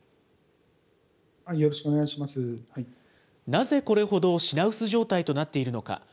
なぜこれほど品薄状態となっているのか。